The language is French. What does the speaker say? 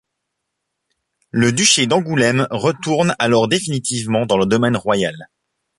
Le duché d'Angoulême retourne alors définitivement dans le domaine royal.